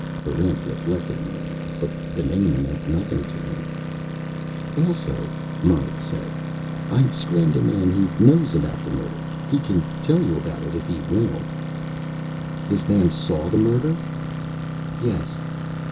Barrent reflected a moment, but the name meant nothing to him. "Also," Myla said, "I skrenned a man who knows about the murder. He can tell you about it, if he will." "This man saw the murder?" "Yes."